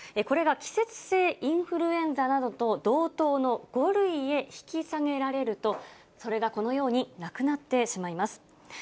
これら季節性インフルエンザなどと同等の５類へ引き下げられると、それがこのようになくなってしまいます。